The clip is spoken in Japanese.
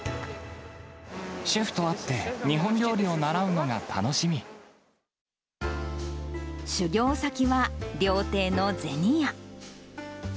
シェフと会って日本料理を習修業先は、料亭の銭屋。